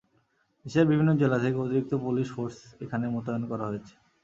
দেশের বিভিন্ন জেলা থেকে অতিরিক্ত পুলিশ ফোর্স এখানে মোতায়েন করা হয়েছে।